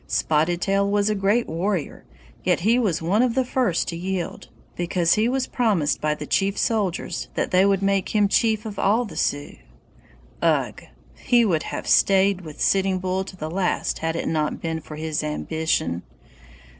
Spotted Tail was a great warrior, yet he was one of the first to yield, because he was promised by the Chief Soldiers that they would make him chief of all the Sioux. Ugh! he would have stayed with Sitting Bull to the last had it not been for his ambition.